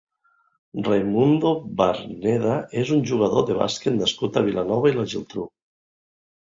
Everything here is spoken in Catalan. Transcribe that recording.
Raimundo Barneda és un jugador de bàsquet nascut a Vilanova i la Geltrú.